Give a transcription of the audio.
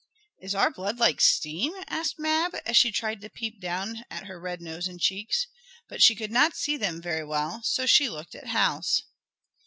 "Is our blood like steam?" asked Mab, as she tried to peep down at her red nose and cheeks. But she could not see them very well so she looked at Hal's.